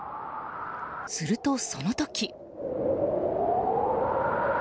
すると、その時。